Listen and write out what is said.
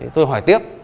tôi hỏi tiếp